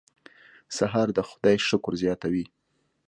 سهار د خدای شکر زیاتوي.